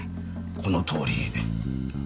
このとおり。